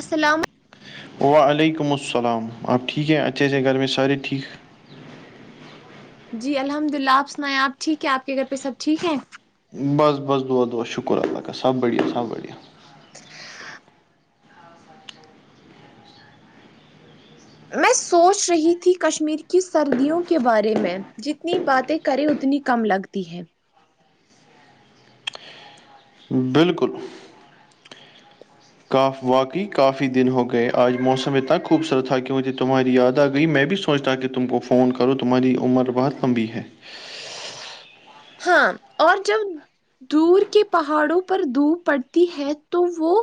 السلام وعلیکم السلام آپ ٹھیک ہیں اچھے سے گھر میں سارے ٹھیک ہے جی الحمد للہ آپ سنائیں آپ ٹھیک ہے آپ کے گھر پہ سب ٹھیک ہیں بس بس دعا دعا شکر اللہ کا سب بڑھیا سب بڑھیا میں سوچ رہی تھی کشمیر کی سردیوں کے بارے میں جتنی باتیں کریں اتنی کم لگتی ہیں بالکل کاف واقعی کافی دن ہو گئے آج موسم اتنا خوبصورت تھا کیونکہ تمہاری یاد آ گئی میں بھی سوچتا کہ تم کو فون کرو تمہاری عمر بہت لمبی ہے ہاں اور جب دور کے پہاڑوں پر دوپ پڑتی ہے تو وہ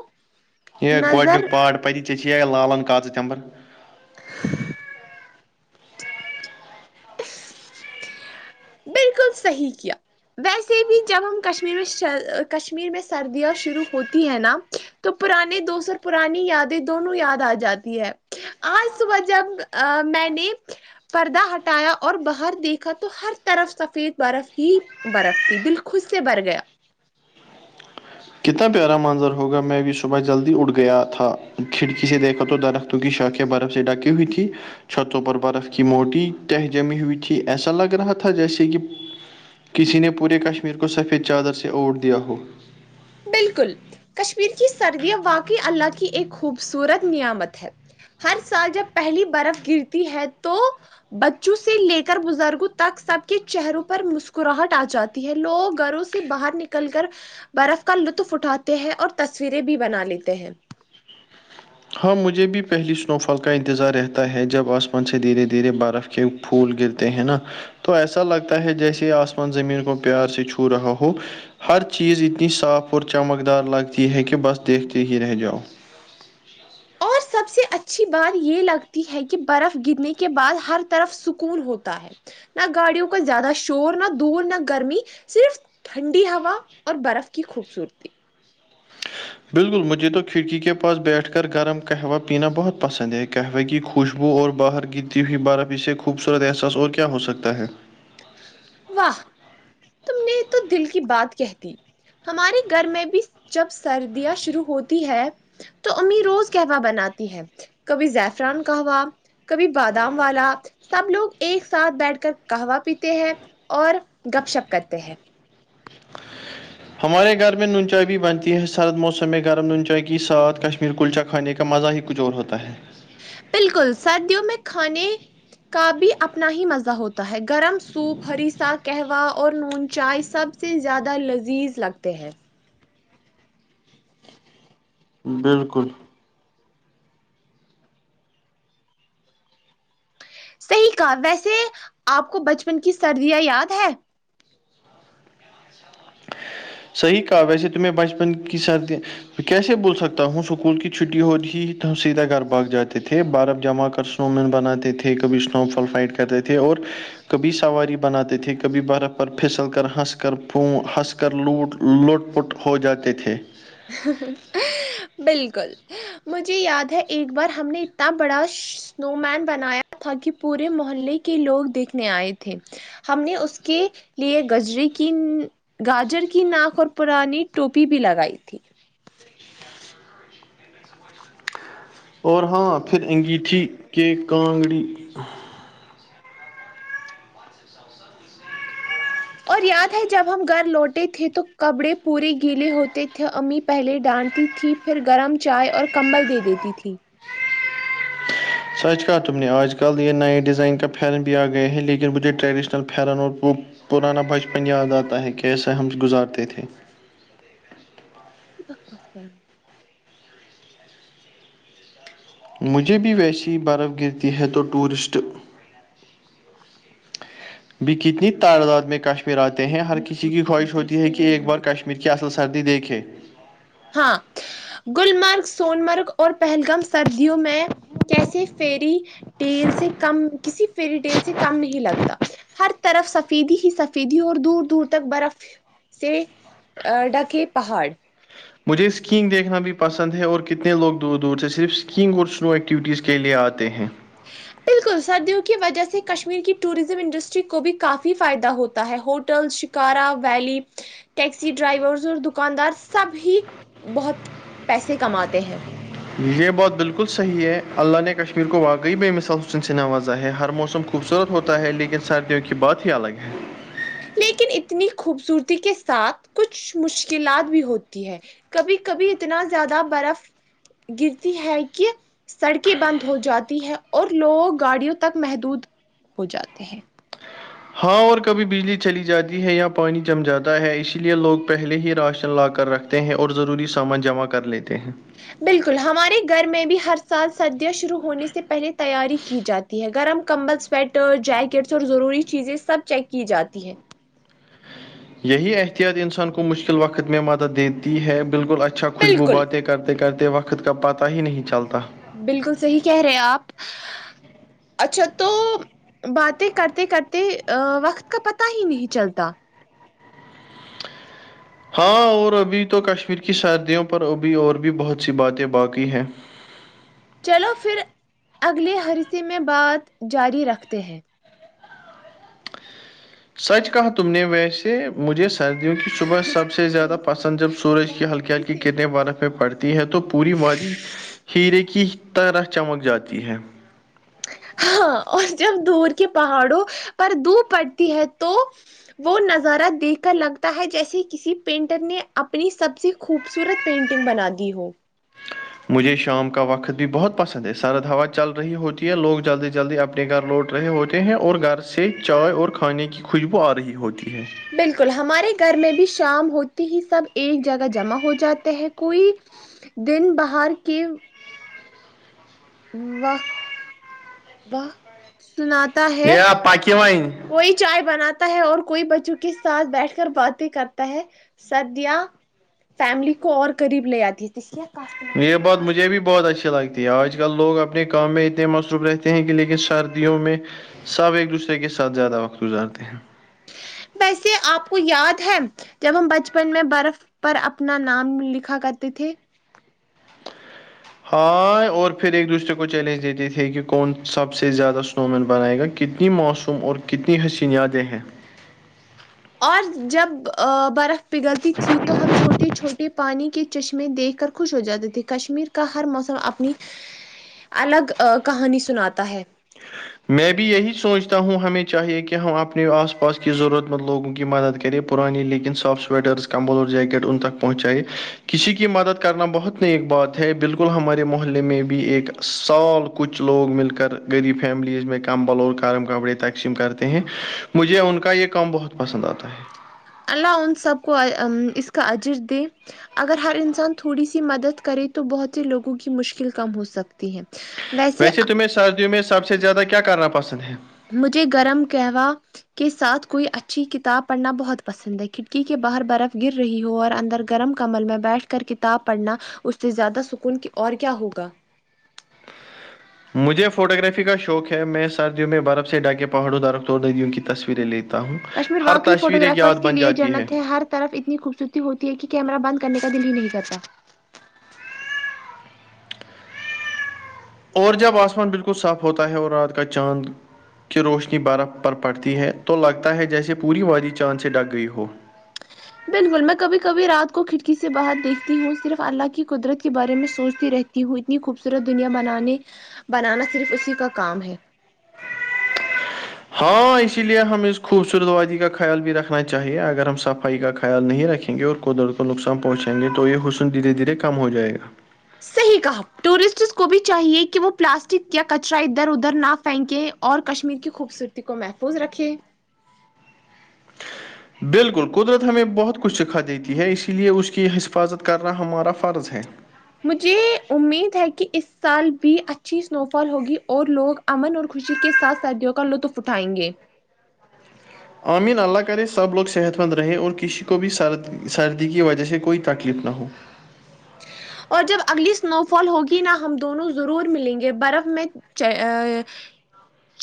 یہ نظر گڈنییکک پارٹ پ چ ہے لالان کغہ چمبر بالکل صحیح کیا ویسے بھی جب ہم کشمیر میں کشمیر میں سردیاں شروع ہوتی ہیں نا تو پرانی دوسو پرانی یادیں دونوں یاد آ جاتی ہے آج صبح جب میں نے پردہ ہٹایا اور باہر دیکھا تو ہر طرف سفید برف ہی برف تھی دل خوس سے بھر گیا کتنا پیارا منظر ہوگا میں بھی شبح جلدی اٹھ گیا تھا کھڑکی سے دیکھا تو درخت کی شاخیا برف سے ڈکھی ہوئی تھی چھتوں پر برف کی موٹی تہہ جمی ہوئی تھی ایسا لگ رہا تھا جیسے کہ کسی نے پورے کشمیر کو سفید چادر سے اوٹ دیا ہو بالکل کشمیر کی سردیاں واقعی اللہ کی ایک خوبصورت نعمت ہے ہر سال جب پہلی برف گرتی ہے تو بچوں سے لے کر بزرگوں تک سب کے چہروں پر مسکراہٹ آ جاتی یہ لوگ گھروں سے باہر نکل کر برف کا لطف اٹھاتے ہیں اور تصویریں بھی بنا لیتے ہیں ہاں مجھے بھی پہلی اسنو فال کا انتظار رہتا ہے جب اسمان سے دھیرے دھیرے برف کے پھول گرتے ہیں نا تو ایسا لگتا ہے جیسے آسمان زمین کو پیار سے چھو رہا ہو ہر چیز اتنی صاف اور چمکدار لگتی ہے کہ بس دیکھتے ہی رہ جاؤ اور سب سے اچھی بات یہ لگتی ہے کہ برف گرنے کے بعد ہر طرف سکون ہوتا ہے نہ گاڑیوں کا زیادہ شور نہ دور نہ گرمی صرف ٹھنڈی ہوا اور برف کی خوبصورتی بالکل مجھے تو کھڑکی کے پاس بیٹھ کر گرم قہوہ پینا بہت پسند ہے قہوہ کی خوشبو اور باہر گرتی ہوئی برف اسے خوبصورت احساس اور کیا ہو سکتا ہے واہ میرے تو دل کی بات کہہ دی ہمارے گھر میں بھی جب سردیاں شروع ہوتی ہے تو امی روز کہوا بناتی ہے کبھی زیفران کہوا کبھی بادام والا سب لوگ ایک ساتھ بیٹھ کر کہوا پیتے ہیں اور گپ شپ کرتے ہیں ہمارے گھر میں نونچائی بھی بنتی ہے سرد موسم میں گرم نونچائی کے ساتھ کشمیر کلچا کھانے کے کا مزہ ہی کچھ اور ہوتا ہے بالکل سردیوں میں کھانے کا بھی اپنا ہی مزہ ہوتا ہے گرم سوپ ہریسہ کہوہ اور نون چائے سب سے زیادہ لذیذ لگتے ہیں بالکل صحیح کہا ویسے آپ کو بچپن کی سردیاں یاد ہے صحیح کہا ویسے تمہیں بچپن کی سردی کیسے بھول سکتا ہوں اسکول کی چھٹی ہوتی ہی تو سیدھا گھر بھاگ جاتے تھے برف جمع کر اسنو مین بناتے تھے کبھی اسنو فال فائٹ کرتے تھے اور کبھی سواری بناتے تھے کبھی برف پر پھسل کر ہنس کر پ ہنس کر کر لوٹ لوٹ پٹ ہو جاتے تھے بالکل مجھے یاد ہے ایک بار ہم نے اتنا بڑا سنو مین بنایا تھا کہ پورے محلے کے لوگ دیکھنے آئے تھے ہم نے اس کے لیے گجری کی گاجر کی ناک اور پرانی ٹوپی بھی لگائی تھی اور ہاں پھر انگیٹھی کیک کانگڑی اور یاد ہے جب ہم گھر لوٹے تھے تو کپڑے پورے گیلے ہوتے تھے امی پہلے ڈانٹتی تھی پھر گرم چائے اور کمبل دے دیتی تھی سچ کہا تم نے آج کل یہ نئے ڈیزائن کا پرن بھی آ گئے ہیں لیکن مجھے ٹریڈیشنل پرن اور وہ پرانا بچپن یاد آتا ہے کیسے ہم گزارتے تھے بکواس کر مجھے بھی ویسی برف گرتی ہے تو ٹورسٹ ب کتنی تعداد میں کاش پھر آتے ہیں ہر کسی کی خواہش ہوتی ہے کہ ایک بار کشمیر کی اصل سردی دیکھے ہاں گللمرگ سونمرگ اور پہلگام سردیوں میں کیسے فیری ٹیل سے کم کسی فیری ٹیل سے کم نہیں لگتا ہر طرف سفیدی ہی سفیدی اور دور دور تک برف سے ڈھکے پہاڑ مجھے اسکیینگ دیکھنا بھی پسند ہے اور کتنے لوگ دور دور سے صرف اسکینگ اور اسنو ایکٹیویٹیز کے لیے آتے ہیں بال کل سردیوں کی وجہ سے کشمیر کی ٹورزم انڈسٹری کو بھی کافی فائدہ ہوتا ہے ہوٹل ش کارا ویلی ٹیکسی ڈرائیورس اور دکاندار سب ہی بہت پیسے کماتے ہیں یہ بات بالکل صحیح ہے اللہ نے کشمیر کو واقعی بےمثال حسن سے نوازا ہے ہر موسم کو خوبصورت ہوتا ہے لیکن سردیوں کی بات ہی الگ ہے لیکن اتنی خوبصورتی کے ساتھ کچھ مشکلات بھی ہوتی ہے کبھی کبھی اتنا زیادہ برف گرتی ہے کہ سڑکیں بند ہو جاتی ہیں اور لوگ گاڑیوں تک محدود ہو جاتے ہیں ہاں اور کبھی بجلی چلی جاتی ہے یا پانی جم جاتا ہے اسی لیے لوگ پہلے ہی راشن لا کر رکھ ہیں اور ضروری سامان جمع کر لیتے ہیں بالکل ہمارے گھر میں بھی ہر سال سردیاں شروع ہونے سے پہلے تیاری کی جاتی ہے گرم کمبل سویٹر جیکٹس اور ضروری چیزیں سب چیک کی جاتی ہیں یہی احتیاط انسان کو مشکل وقت میں مدد دیتی ہے بالکل اچھا خوشبو بالکل باتیں کر کرتے وقت کا پتہ ہی نہیں چلتا بالکل صحیح کہہ رہے آپ اچھا تو باتیں کرتے کرتے وقت کا پتا ہی نہیں چلتا ہاں اور ابھی تو کشمیر کی سردیوں پر ابھی اور بھی بہت سی باتیں باقی ہیں چلو پھر اگلے حرثے میں بات جاری رکھتے ہیں سچ کہا تم نے ویسے مجھے سردیوں کی صبح سب سے زیادہ پسند جب سورج کی ہلکی ہلکی کرنیں برف میں پڑت تی ہے تو پوری وادی ہیرے کی طرح چمک جاتی ہے ہاں اور جب دور کے پہاڑوں پر دھوپ پڑتی ہے تو وہ نظارہ دیکھ کر لگتا ہے جیسے کسی پینٹر نے اپنی سب سے خوبصورت پینٹنگ بنا دی ہو مجھے شام کا وقت بھی بہت پسند ہے سرد ہوا چل رہی ہوتی ہے لوگ جلدی جلدی اپ نے گھر لوٹ رہے ہوتے ہیں اور گھر سے چائے اور کھانے کی خوشبو آ رہی ہوتی ہے بالکل ہمارے گھر میں بھی شام ہوتی ہی سب ایک جگہ جمع ہو جاتے ہیں کوئی دن باہر کی واہ واہ سناتا ہے یا پکی وائن کوئی چائے بناتا ہے اور کوئی بچوں کے ساتھ بیٹھ کر باتیں کرتا ہے سدیا فیملی کو اور قریب لے اتی ہے اسلئے یے بات مجھے بھی بہت اچھی لگتی آج کل لوگ اپنے کام میں اتنے مصروف رہتے ہیں کہ لیکن سردیوں میں سب ایک دوسرے کے ساتھ زیادہ وقت گزارتے ہیں ویسے آپ کو یاد ہے جب ہم بچپن میں برف پر اپنا نام لکھا کرتے تھے ہاں اور پھر ایک دوسرے کو چیلنج دیتے تھے کی کون سب سے زیادہ سنو مین بنائے گا کتنی موسوم اور کتنی حسین یادیں ہیں اور جب برف پگلتی تھی تو ہم چھوٹے چھوٹے پانی کے چشمے دیکھ کر خوش ہو جاتے تھے کشمیر کا ہر موسم اپنی الگ کہانی سناتا ہے میں بھی یہی سوچتا ہوں ہمیں چاہیے کہ ہم اپنے آس پاس کی ضرورت مند لوگوں کی مدد کریں پرانی لیکن سافٹ سویٹرس کمبل اور جیکٹ ان تک پہنچائی کسی کی مدد کرنا بہت نیک بات ہے بالکل ہمارے محلے میں بھی ایک سال کچھ لوگ مل کر غریب فیملیز میں کمبل اور کارم کپڑے تقسیم کرتے ہیں مجھے ان کا یے کام بہت پسند آتا ہے اللہ ان سب کو اس کا عجر دے اگر ہر انسان تھوڑی سی مدد کرے تو بہت سے لوگوں کی مشکل کم ہو سک تی ہیں ویسے میں سردیوں میں سب سے زیادہ کیا کرنا پسند ہے مجھے گرم کہوا کے ساتھ کوئی اچھی کتاب پڑھنا بہت پسند ہے کھڑکی کے باہر برف گر رہی ہو اور اندر گرم کمل میں بیٹھ کر کتاب پڑھنا اس سے زیادہ سکون اور کیا ہوگا مجھے فوٹوگرافی کا شوق ہے میں سردیوں میں برف سے ڈاک کے پہاڑوں درخت اور دریوں کی تصویریں لیت تا ہوں کشمیر ہر واقعی تصویر ایک یاد فوٹوگرافرس کے بن لیے جاتی ہے جنت ہر طرف اتنی خوبصورتی ہوتی ہے کہ کیمرا بند کرنے کا دل ہی نہیں کرتا اور جب آسمان بالکل صاف ہوتا ہے اور رات کا چاند کی روشنی برف پر پڑتی ہے تو لگتا ہے جیسے پوری وادی چاند سے ڈک گئی ہو بالکل میں کبھی کبھی رات کو کھڑکی سے باہر دیکھتی ہوں صرف اللہ کی قدرت کے بارے میں سوچتی رہتی ہوں اتنی خوبصورت دنیا بنانے بنانا صرف اسی کا کام ہے ہاں اسی لیے ہمیں اس خوبصورت وادی کا خیال بھی رکھنا چاہیے اگر ہم صفائی کا خیال نہیں رکھیں گے اور کو درد کو نقصان پہنچائ گے تو یے حسن دھیرے دھیرے کم ہو جائے گا صحیح کہا ٹورسٹس کو بھی چاہیے کہ وہ پلاسٹک یا کچرا ادھر ادھر نہ پھینکیں اور کشمیر کی خوبصورتی کو محفوظ رکھے بالکل قدرت ہمیں بہت کچھ سکھا دیتی ہے اسی لیے اس کی حفاظت کرنا ہمارا فرض ہے مجھے امید ہے کی اس سال بھی اچھی اسنو فال ہوگی اور لوگ امن اور خوشی کے ساتھ سردیوں کا لطف اٹھائیں گے امین اللہ کرے سب لوگ صحت مند رہے اور کسی کو بھی سرد سردی کی وجہ سے کوئی تکلیف نہ ہو اور جب اگلی اسنو فال ہوگی نا ہم دونوں ضرور ملیں گے برف میں چ آ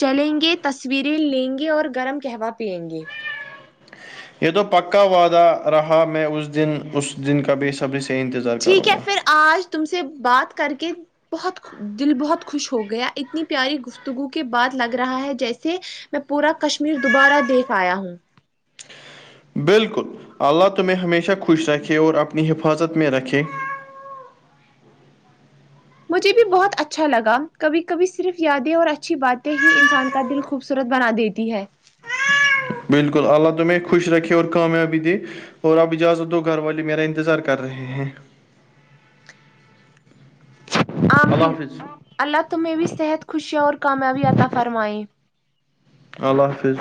چلیں گے تصویریں لیں گے اور گرم کہوہ پیئیں گے یہ تو پکا وعدہ رہا میں اس دن اس دن کا بےصبری سے انتظار ٹھیک کروں ہے گا پھر آج تم سے بات کر کے بہت دل بہت خوش ہو گیا اتنی پیاری گفتگو کے بعد لگ رہا ہے جیسے میں پورا کشمیر دوبارہ دیکھ آیا ہوں بالکل اللہ تمہیں ہمیشہ خوش رکھے اور اپنی حفاظت میں رکھے مجھے بھی بہت اچھا لگا کبھی کبھی صرف یادیں اور اچھی باتیں ہی انسان کا دل خوبصورت بنا دیتی ہے بالکل اللہ تمہیں خوش رکھے اور کامیابی دے اور اب اجازت دو گھر والی میرا انتظار کر رہے ہیں [inaudible] اللہ آمین حافظ اللہ تمہیں بھی صحت خوشیاں اور کامیابی عطا فرمائے اللہ حافظ